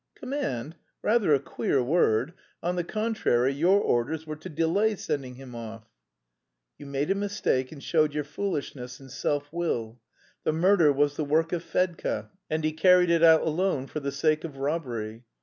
"Command! Rather a queer word.... On the contrary, your orders were to delay sending him off." "You made a mistake and showed your foolishness and self will. The murder was the work of Fedka, and he carried it out alone for the sake of robbery.